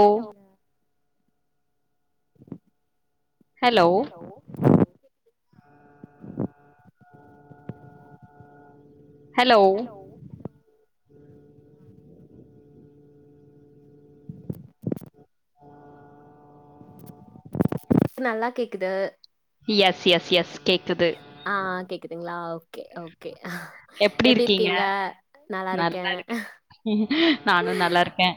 Hello hello hello நல்லா கேக்குது yes yes yes கேக்குது ஆ கேக் துங்ளா ஓகே ஓகே எப்டி இருக்கீங்க நல்லா இருக்கேன். நல்லாருக்கே நானு நல்லாருக்கே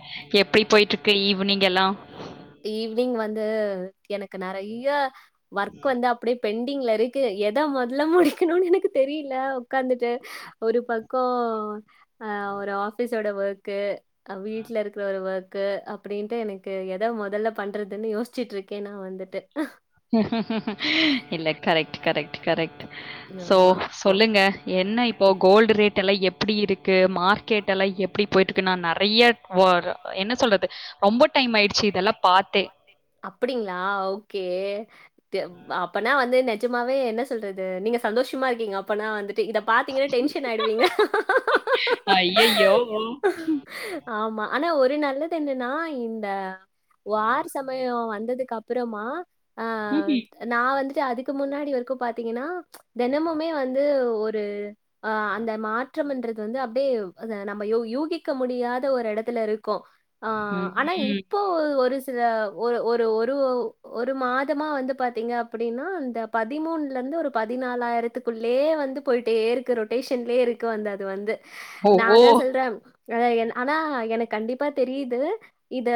எப்டி போய்ட்ருக்கு ஈவினிங் எல்லா ஈவினிங் வந்து எனக்கு நறைய வர்க் வந்து அப்டே பெண்டிங்லருக்கு எத மொதல்ல முடிக்கணுனு எனக்கு தெரியில உக்காந்துட்டே ஒரு பக்கொ அ ஒரு ஆஃபிஸோட வொர்க்கு வீட்லருக்க ஒரு வொர்க்கு அப்டின்ட்டு எனக்கு எத மொதல்ல பண்றதுன்னு யோசிச்சிட்ருக்கே நா வந்துட்டு இல்ல கரக்ட் கரக்ட் கரெக்ட் சோ ஆமா. சொல்லுங்க என்ன இப்போ கோல்டு ரேட்டெல்லா எப்டி இருக்கு மார்க்கெட் எல்லா எப்டி போயிட்டு க்குன்னா நறைய வோர் என்ன சொல்றது ரொம்ப டைம் ஆயிடுச்சு இதெல்லா பாத்தே அப்டிங்ளா ஓகே தே அப்பனா வந்து நெ ஜமாவே என்ன சொல்றது நீங்க சந்தோஷமாருக்கீங்க அப்பனா வந்து டு இத பாத்தீங்கனா டென்ஷன் ஆயிடுவீங்க ஐயையோ ஆமா ஆனா ஒரு நல்லது என்னன்னா இந்த வார் சமயொ வந்து வந்ததுக்கு அப்றமா அ ம் நா வந்து து அதுக்கு முன்னாடி வரைக்கு பாத்தீங்கன்னா தெனமுமே வந்து ஒரு அ அந்த மாற்றம்ன்றது வந்து அப்டே அத நம்ம யூ யூகிக்க முடியாத ஒரு எடத்துல இரு க்கு ஆ ஆனா ம் இப்போ ஒரு சில ஒரு ஒரு ஒரு ஒரு மாதமா வந்து பாத்தீங்க அப்புடினா அந்த பதி மூண்லந்து ஒரு பதினாலாயிரத்துக்குள்ளயே வந்து போய்ட்டேருக்கு ரொட்டேஷன்லயேருக்கு வந்து அது வந்து ஓ நா ஓ அதா சொல்றே அ ஆனா எனக்கு கண்டிப்பா தெரியுது இத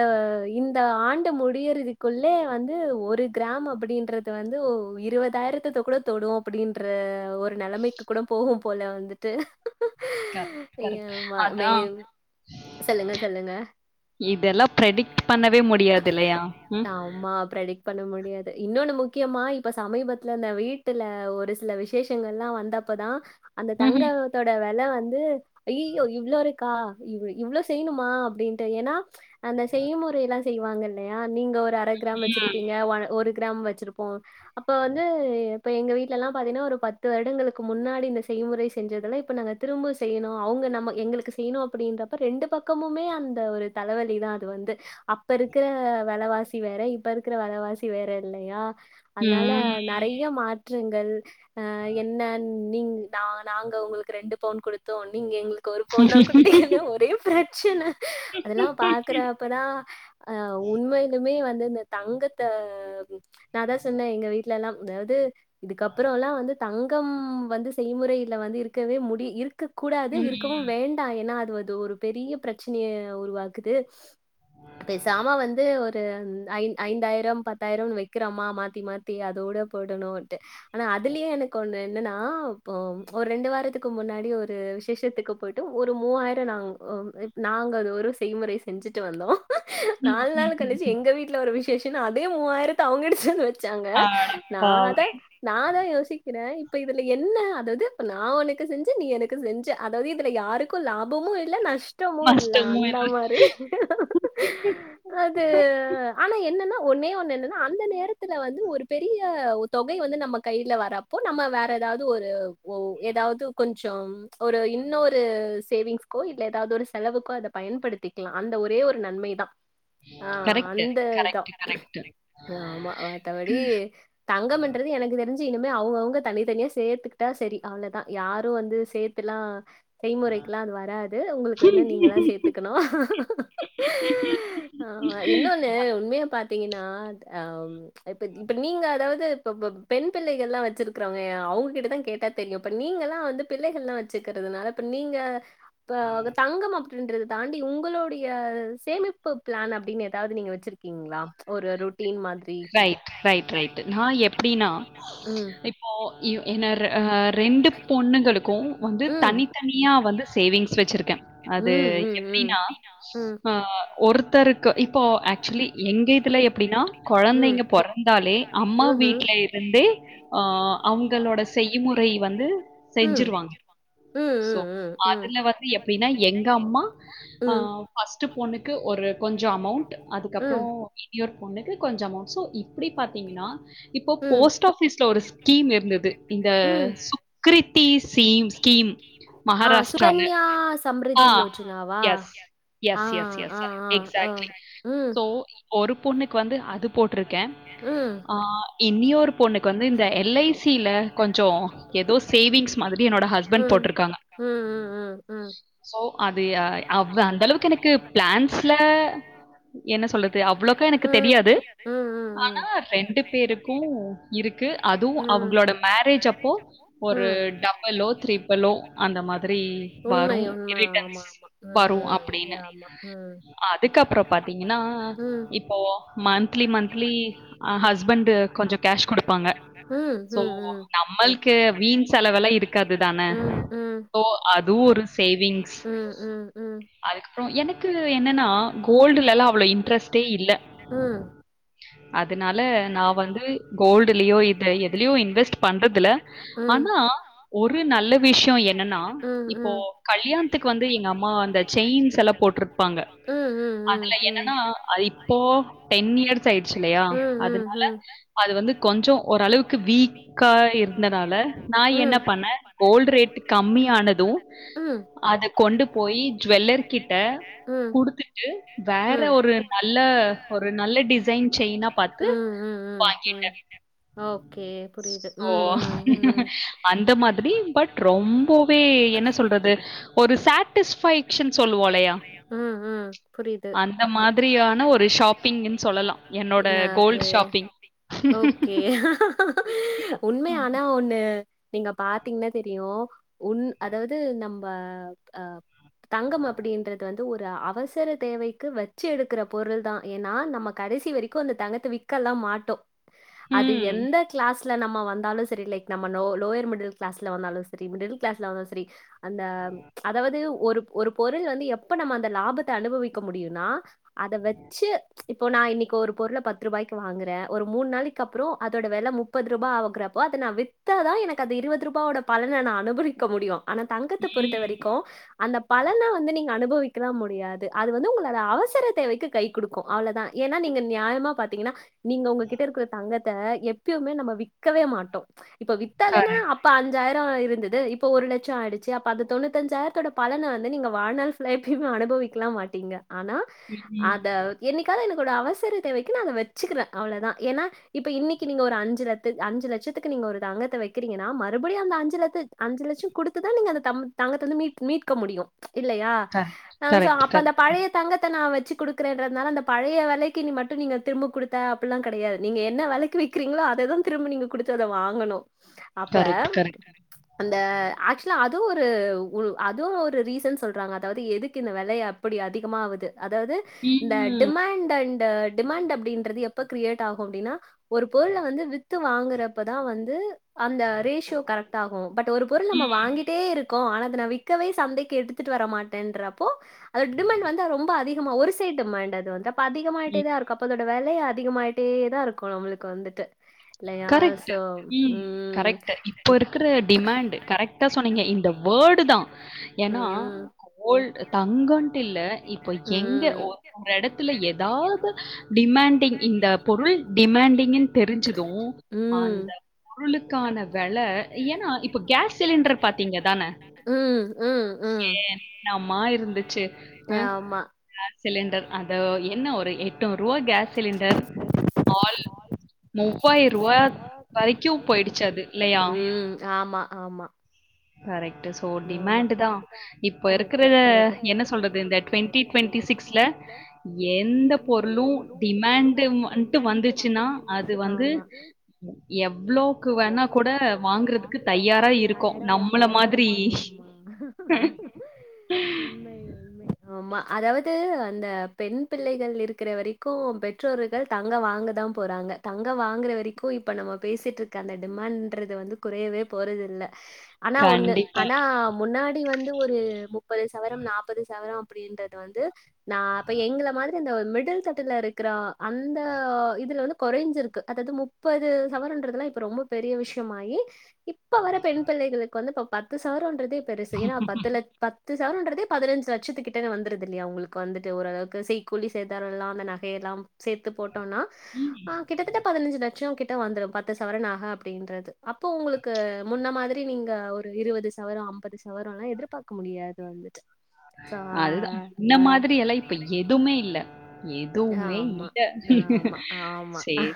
இந்த ஆண்டு முடியறதுக்குள்ளே வந்து ஒரு கிராம் அப்படின்றது வந்து ஒ இருவதாயிரத்ததோ க்குட தொடு அப்புடின்ற ஒரு நெலமைக்கு குட போகும் போல வந்துட்டு கரெக்ட், ஏ கரெக்ட். மா மே அதான். சொல்லுங்க சொல்லுங்க இதெல்லா பெரிடிக்ட் பண்ணவே முடியாது இல்லையா ம் ஆமா ப்ரெடிக்ட் பண்ண முடியாது இன்னொன்னு முக்கியமா இப்ப சமீபத்துல இந்த வீட்டுல ஒரு சில விசேஷங்கள்லா வந்தப்பதா அந்த ம்ஹ்ம். தங்கத்தோட வெல வந் வந்து அய்யியோ இவ்ளோ இருக்கா இவ் இவ்ளோ செய்யணுமா அப்டின்ட்டு ஏன்னா அந்த செய்முறைலா செய்வாங்க இல்லையா நீங்க ஒரு அர கிராம் வச்சிருப்பீங்க ஒன் ஒரு கிராம் வச்சிருப்போ அப்ப வந்து இப்ப எங்க வீட்லல்லா பாத்தின்னா ஒரு பத்து வருடங்களுக்கு முன்னாடி இந்த செய்முறை செஞ்சதெல்லா இப்ப நாங்க திரும்ப செய்ணு அவங்க நம்ம எங்களுக்கு செய்ணு அப்டின்றப்ப ரெண்டு பக்கமுமே அந்த ஒரு தலவ லி தா அது வந்து அப்ப இருக்கிற வெலவாசி வேற இப்ப இருக்கிற வெலவாசி வேற இல்லையா அதனால ம். நெறைய மாற்று ங்கள் ஆ என்ன நீங்க நா நாங்க உங்களுக்கு ரெண்டு பவுன் குடுத்தோ நீங்க எங்களுக் கு ஒரு பவுன் தா ம். குடுத்தீங்கன்னு ஒரே ப்ர ச்சன்ன அதெல்லா பாத் க்கிறப்ப தா ஆ உண்மையிலுமே வந் இந்த தங்கத்த நா அதா சொன்னே எங்க வீட்லல்லா அதாவது இதுக்கப்பறலா வந்து தங்கம் வந்து செய்முறைல வந்து இருக்கவே முடி இருக் க கூட இருக்கவு வேண்டா ஏனா அது ஒ அது ஒரு பெரிய பெரச்சனைய உருவாக்குது பேசாம வந்து ஒரு ஐந் ஐந்தாயிர பத்தாயிரன்னு வைக்கிறோமா மாத்தி மாத்தி அதோட பெய்டணுன்ட்டு ஆனா அதுலயே எனக்கு ஒண்ணு என்னன்னா இப்ப ஒரு ரெண்டு வாரத்துக்கு முன்னாடி ஒரு விசேஷத்துக்கு போயிட்டு ஒரு மூவாயிர நாங்க [unintelligible] நாங்க அது ஒரு செய்முறை செ செஞ்சிட்டு வந்தோ ம். நாலு நாள் கழிச்சு ம். எங்க வீட்ல ஒரு விசேஷ ஏனா அதே மூவாயரத்த அவங்க எடுத்துட்டு வந்து வச் சாங்க அட நா அத பாவி! நா அதா யோசிக்கிறே இப் இப்ப இதுல என்ன அதாது நா உனக்கு செஞ்ச நீ எனக்கு செஞ்ச அதாவது இதுல யாருக்கு லாபமு இல்ல நஷ் மாஸ்டர் மூள தா அது ஆனா என்னன்னா ஒன்னே ஒன்னு என்னன்னா அந்த நேரத்துல வந்து ஒரு பெரிய தொகை வந்து நம்ம கையில வரப்போ நம்ம வேற எதாவது ஒரு ஒ எதாவது கொஞ்சம் ஒரு இன்னொரு சேவிங்ஸ்க்கோ இல்ல எதாது ஒரு செலவுக்கோ அத பயன்படுத்தி க்கலா அந்த ஒரே ஒரு நன்மைதா ஆ ஆ கரெக்ட்டு, அந்த இதுதா கரெக்ட்டு, கரெக்ட்டு. ஆ மத்தப்படி தங்கமென்றது எனக்கு தெரிஞ்சு இனிமே அவுங்கவுங்க தனி தனியா சேர்த்துக்கிட்டா செரி அவ்ளதா யாரு வந்து சேத்தெல்லா செய்முறைக்கெல்லா அது வராது ஒங்களுக்கு வேணுன்னா நீங்க தா சேத்துக்கணு ஆமா இன்னொன்னு உண்மையா பாத் த்தீங்கன்னா அ இப்ப இப்ப நீங்க அதாவது இப்ப பப் பெண் பிள்ளைகள்ளா வச்சிருக்கிறவங்க அவுங்கிட்ட தா கேட்டா தெரியு இப்ப நீங்க எல்லா வந்து பிள்ளைகள்லா வச்சுக்கிறதுனால இப்ப நீங்க ப அது தங்கமா ன்டிறத தாண்டி உங் உங்கோளோடைய சேமிப்பு பிளான் அப்படின்னு ஏதாவது நீங்க வச்சிருக்கீங்களா ஒரு ரொட்டீன் மாதிரி ரைட் ரைட் ரைட் நா எப்டினா ம், இப்போ இவ் என ரெ ஆ ரெண்டு பொண்ணுங்களுக்கு வந்து ம். தனித்தனியா வந்து சேவிங்ஸ் வச்சிருக்கே அது ம், ம், ம். எப்டின்னா ம், ஆ ஒருத்தருக்கு இப்போ ஆக்சுலி எங்க தில எப்டின்னா ம். கொழந்தைங்க பொறந்தாலே அம்மா ம்ஹ்ம். ம்ஹும். வீட்ல இருந்தே ஆ அவுங்களோட செய்முறை வந்து ம் செஞ்சுருவாங்க. ம் ம் ம் ம் எப்டினா எங்க அம்மா ஆ ஃபஸ்ட் பொண்ணுக்கு ஒரு கொஞ்சோ அமொளண்ட் அதுக்கப்றோ ம், இ இயொர் பொண்ணுக்கு கொஞ்சோ அமொளண்ட் சோ இப் ப்டி பாத்தீங்கனா இப்போ ம், இப்போ போஸ்ட் ஆபிஸ்ல ஒரு ஸ்கீம் இருந்தது இந்த ம். சுக்ரிட்டி சேம் ஸ்கீம் அஹ், சுத்தி ஆ மகாராஷ்ட்ரால சுகன்யா ஆ சம்ரிதி யோஜனாவா? எஸ் ஆ, எஸ் எஸ் எஸ் ஆ, எஸ் ஆ, ஆ. எக்சாட்லி ம், சோ ஒரு பொண்ணுக்கு வந்து அது போட் டுருக்கே ம். ஆ இன்னியொரு பொண்ணுக்கு வந்து இந்த எல் ஐ சி ல கொஞ்சோ ஏதோ சேவிங்ஸ் மாதிரி என்னோட ஹஸ்பண்ட் ம். போட்டுருக்காங்க ம், போட்டிருக்காங்க. ம், ம், ம். சோ அது ஆ அவெ அந்தளவுக்கு எனக்கு பிளான்ஸ்ல என்ன சொல்றத் து அவ்ளோக்கா எனக்கு ம். தெரியாது ம், ம், ஆனா ம். ரெண்டு பேருக்கு இருக்கு அதுவு ம், அவுங்களோட மேரேஜ் அப்போ ஒரு ம். டபுளோ த்ரிப்ளோ அந்த மாதிரி உண்மை வரு உண்ம ரிட்டன்ஸ் ஆமா ஆமா வரு ம் அப்டின்னு ஆமா அதுக்கப்புறோ பாத்தீங்கன்னா ம் இப்போவோ மந்த்லி மந்த்லி ஆ ஹஸ்பண்ட்டு கொஞ்சோ கேஷ் குடுப்பாங்க ம் ம் சோ ம் ம் நம்மள்க்கு வீண் செலவுலா இருக்காது தான ம் ம் சோ அதுவு ஒரு சேவிங்ஸ் ம் ம் ம் ம் அதுக்கப்புறோ எனக்கு என்னன்னா கோல்டுல எல்லா அவ்ளோ இன்ட்ரஸ் ம் அதனால நா வந்து கோல்டுலியோ இது எதுலியோ இன்வெஸ்ட் பண்றதுல ஆனா ஒரு நல்ல விஷியோ என்னன்னா ம் இப்போ ம் கல்யாண்த்துக்கு வந்து எங்க அம்மா அந்த செயின்ஸ் எல்லா போட்டுருப்பாங்க ம் ம் ம் அதுல என்னன்னா இப்போ டென் இயர்ஸ் ஆயிடுச்சில்லையா ம் ம் அதனால ம் அது வந்து கொஞ்சோ ஓரளவுக்கு வீக்கா இருந்தனால நா ம் என்ன பண்ணே கோல்ட ரேட் கம்மியானது ம் அத கொண்டு போய் ஜுவெல்லர் கிட்ட ம் குடுத்துட்டு வேற ம் ஒரு நல்ல ஒரு நல்ல டிசைன் செயின் நா பாத்து ம் ம் ம் வாங்கிட்டே ம் ஓகே புரியுது சோ ம் ம் ம் அந்த மாதிரி பட் ரொம்போவே என்ன சொல்றது ஒரு சேட்டிஸ் ஃபைக்ஸ்ன் சொல்லு இல்லயா ம் ம் புரியுது அந்த மாத் ஃபிரியான ஒரு ஷாப்பிங்கின் சொல்லலா என்னோ ந கே ஓகே உண்மையா ஆனா ஒண்ணு நீங்க பாத்தீஙன்னா தெரியு உண் அதாவுது நம்ப அ தங்கம் அப்படின்றது வந்து ஒரு அவசர தேவைக்கு வச்சு எடுக்கிற பொருள் தா ஏன்னா நம்ம கடைசி வரை க்கு அந்த தங்கத்த விக்கல்லா மாட்டோ அது ம். எந்த கிளாஸ் ல நம்ம வந்தாலு சரி லைக் நம்மோ லோயர் மிடில் கிளாஸ்ல வந்தாலு சரி மிடில் கிளாஸ்ல வந்தாலு சரி அந்த அதாவது ஒரு ஒரு பொருள் வந்து எப்ப நம்ம அந்த லாபத்தை அனுபவிக்க முடியுன்னா அத வச்சு இப்போ நா இன்னைக்கு ஒரு பொருள பத்து ருவாய்க்கு வாங்குறே ஒரு மூணு நாளைக் அப்புற அதோட வெல முப்பது ரூபா ஆகுறப்போ அத நா வித்தாதா எனக்கு அது இருவது ரூபாவோட பலன நா அனுபவிக்க முடியு ஆனா தங்கத்த பொறுத்த ம். வரைக்கு அந்த பலன வந்து நீங்க அனுபவிக்கலா முடியாது அது வந்து உங்களோட அவசர தேவைக்கு கை குடுக்கு அவ்ளதா ஏன்னா நீங்க நியாயமா பாத்தீங்கன்னா நீங்க உங்ககிட்ட இருக்கிற தங்கத்தை எப்பயுமே நம்ம வி்க்கவே மாட்டோ இப்ப வித்தாதான கரெக்ட். அப்ப அந்த அஞ்சாயிர இருந்துது இப்ப ஒரு லட்ச ஆயிடுச்சு அப்ப அந்த தொண்ணூத்தஞ்சாயரத்தோட பலன வந்து நீங்க வாழ்நாள் எப்பயு அனுபவிக்கலா மாட்டீங்க ஆனா ம். அத என்னிக்காது எனக் ஒரு அவசரத் தேவைக்கு நா அத வச்சுக்கிறே அவளதா ஏன்னா இப்ப இன்னிக்கு நீங்க ஒரு அஞ்சு லத்து அஞ்சு லட்சத்துக்கு நீங்க ஒரு தங்கத்த வெக்கிரீங்கன்னா மறுபடியு அந்த அஞ்சு லட்த அஞ்சு லட்ச குடுத்துதா நீங்க அந்த தம் தங்கத்த வந்து மீ மீட்க முடியு இல்லையா கரெக்ட். ஆ சோ கரெக்ட். அப்ப அந்த கரெக்ட். பழைய தங்கத்த நா வச் சு கொடுக்கறேன்றதுனால அந்த பழைய வெலைக்கு நீ மட் டு நீங்க திரும்ப குடுத்த அப்பிட்ல்லா கெடையாது நீங்க என்ன வெலைக்கு விக்கிறீங்களோ அததா திரும்ப நீங்க குடுத்து அத வாங்கணு அப்ப கரெக்ட். கரெக்ட். அந்த ஆக்சுவலா அது அது ஒரு அதுவு ஒரு ரீசன் சொல்றாங்க அதாவது எதுக்கு இந்த வெலய அப்பிடி அதிகமாகுது அதாவ்து இந்த ம். டிமாண்ட் அண்ட் டட் டிமாண்ட் அப்டின்றது எப்ப கிரியேட் ஆகு அப்டின்னா ஒரு பொருள வந்து வித்து வாங்குறப்பதா வந்து அந்த ரேஷியோ கரெக்ட் ஆகு பட் ஒரு பொருள் நம்ம ம். வாங்கிட்டேருக் கோ ஆனா அத நா விக்கவே சந்தைக்கு எடுத்துட்டு வர மாட்டன்றப்போ அது டிமண்ட் வந்து ரொம்ப அதி கமாகு ஒரு சைடு டிமண்ட் அது வந்து ப்ப ம். அதிகமாயிட்டே தா இரு அப்ப அதோட வெலை அதிகமாயிட்டே தா இருக்கு நம்முளுக்கு வந்துட்டு இல்லையா கரெக்ட் ஸோ கரெக்ட் ம் கரெக்ட் இப்போ இருக்கிற டிமாண்ட் கரெக்டா சொன்னீங்க இந்த வேர்ல்ட் தா ஏனா ம் கோல் தங்கன்ட்டு இல்ல இப்போ எங்க ம் ஒ ஒரு எடத்துல ஏதாவது டிமாண்டிங் இந்த பொருள் டிமாண்டிங்ன் தெரிஞ்சு து ம் அந்த பொருளுக்கான வெல ஏனா இப் இப்ப கேஸ் சிலிண்டர் பாத்தீங்கதான ம் ம் ம் என்னம்மா இருந்துச்சு அ ஆமா சிலிண்டர் அது என்ன ஒரு தோ ருவா கேஸ் சிலிண்டர் ஆல் ரூ. வரைக்கும் போயிடுச்சு அது இல்லையா? ம் ஆமா ஆமா கரெக்ட்டு சோ ஆமா டிமண்ட் தா இப்ப இருக்கற என்ன சொல்றது இந்த ட்வெண்டி ட்வென்டி சிக்ஸ்ல எந்த பொருளு டிமண்ட் வண்ட்டு வந்துச்சுன்னா அது வந்து ஆமா எவ்வளோக்கு வேணா கூட வாங்குறதுக்கு தயாரா இருக்கோ நம்மள மாதிரி மாதிரி உண்மை உண்மை ஆமா அதாவது அந்த பெண் பிள்ளைகள் இருக்கிற வரைக்கு பெற்றோர்கள் தங்க வாங்க தா போறாங்க தங்க வாங்குற வரைக்கு இப்போ நம்ம பேசிட்ருக்க அந்த டிமண்டன்றது வந்து குறையவே போறதில்ல ஆனா ஒண்ணு கண்டிப்பா. ஆனா முன்னாடி டி வந்து ஒரு முப்பது சவரம் நாற்பது சவரம் அப்டின்றது வந்து நா இப்ப எங்கள மாரி இந்த மிடில் தட்டுல இருக்கிற அந்த இதுல வந்து குறைஞ்சிருக்கு அதாது முப்பது சவரன்றதுல்லா இப்ப ரொம்ப பெரிய விஷயமாயி இப்ப வர பெண் பிள்ளைகளுக்கு வந்து இப்ப பத் த்து சவரோன்றதே பெருசு ஏனா பத்துல பத் பத்து சவரன்றதே பதினஞ்சு லட்சத்துக்கிட்ட வந்துருது இல்லயா உங்களுக்கு வந்துட்டு ஓரளவுக்கு செய் கூலி சேதாரோல்லா அந்த நகையெல்லா சேத்து போட்டு டோனா ம். அ கிட்டத்தட்ட பதினஞ்சு லட்சோ கிட் ட வந்துடு பத்து சவரன் நக அப்டின்றது அப்போ உங்களுக்கு முன்ன மாதிரி நீங்க ஒரு இருபது த்து சவரம் அம்பது சவரோம் எல்லா எதிர்பாக்க முடியாது வந்து அதுதா அந்த மாதிரி எல்லா இப்ப எதுமே இல்ல எதுவுமே ஆமா இல்ல ஆமா ஆமா சரி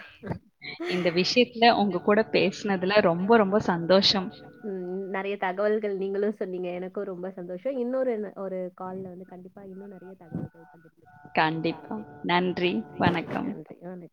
இந்த விஷயத்துல உங்க கூட பேசுனதுல ரொம்ப ரொம்ப சந்தோஷம் ம் நெறைய தகவல்கள் நீங்களும் சொன்னீங்க எனக்கும் ரொம்ப சந்தோஷம் இன்னொரு நா ஒரு கால்ல வந்து கண்டிப்பா இன்னும் நெறைய தகவல்கள் பகிர்ந்துப்போ கண்டிப்பா நன்றி வணக்கம் நன்றி வணக்கம்